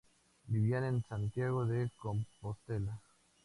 Vivía en Santiago de Compostela.